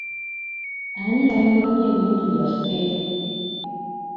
Ani yayonoonye ebintu byaffe?